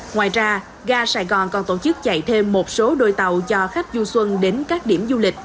ngoài ra ga sài gòn còn tổ chức chạy thêm một số đôi tàu cho khách du xuân đến các điểm du lịch